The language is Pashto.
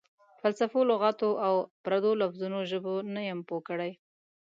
فلسفو، لغاتو او پردو لفظونو ژبو نه یم پوه کړی.